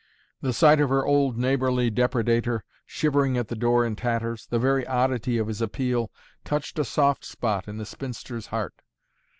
The sight of her old neighbourly depredator shivering at the door in tatters, the very oddity of his appeal, touched a soft spot in the spinster's heart.